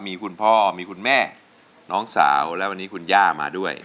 มีคุณพ่อมีคุณแม่น้องสาวและวันนี้คุณย่ามาด้วย